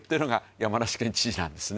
山梨県知事なんですね。